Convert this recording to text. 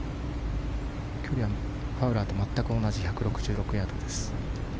距離はファウラーと全く同じ１６６ヤードです。